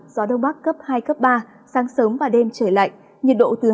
gió đông bắc cấp hai ba sáng sớm và đêm trời lạnh nhiệt độ từ hai mươi ba mươi một độ